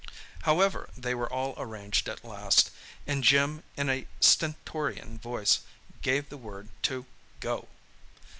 However, they were all arranged at last, and Jim, in a stentorian voice, gave the word to "Go."